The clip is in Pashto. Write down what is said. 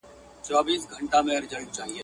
خر په خپله ګناه پوه نه سو تر پایه.